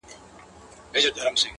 هم یې ماښام هم یې سهار ښکلی دی!.